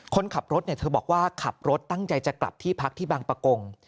คนขับรถเนี่ยเธอบอกว่าขับรถตั้งใจจะกลับที่พักที่บางประกง